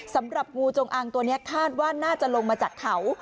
สำหรับงูจงอางตัวนี้คาดว่าน่าจะลงมาจากเขา